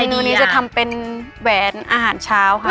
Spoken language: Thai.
เนื้อนี้จะทำเป็นแหวนอาหารเช้าค่ะ